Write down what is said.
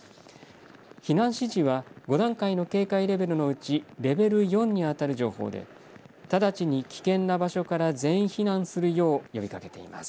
避難指示は５段階の警戒レベルのうちレベル４に当たる情報で直ちに危険な場所から全員避難するよう呼びかけています。